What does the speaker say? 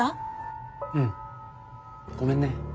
うんごめんね。